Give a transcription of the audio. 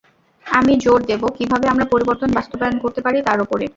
আমি জোর দেব, কীভাবে আমরা পরিবর্তন বাস্তবায়ন করতে পারি, তার ওপরে।